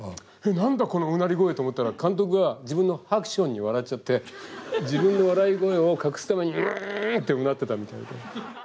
何だこのうなり声と思ったら監督が自分のハクションに笑っちゃって自分の笑い声を隠すために「うん」ってうなってたみたいで。